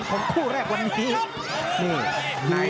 ของคู่แรกวันนี้